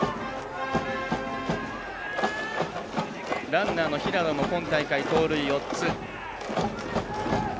ランナーの平野も今大会盗塁４つ。